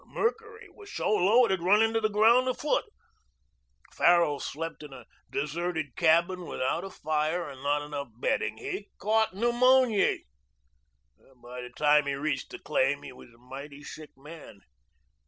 The mercury was so low it had run into the ground a foot. Farrell slept in a deserted cabin without a fire and not enough bedding. He caught pneumony. By the time he reached the claim he was a mighty sick man.